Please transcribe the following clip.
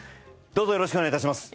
どうぞよろしくお願い致します。